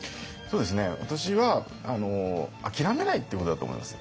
私は諦めないっていうことだと思います。